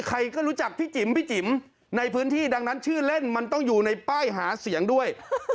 ใครก็รู้จักพี่จิ๋มพี่จิ๋มในพื้นที่ดังนั้นชื่อเล่นมันต้องอยู่ในป้ายหาเสียงด้วย